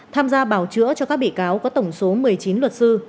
tham gia bảo chữa cho các bị cáo có tổng số một mươi chín luật sư